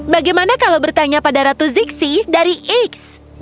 bagaimana kalau bertanya pada ratu zigsi dari x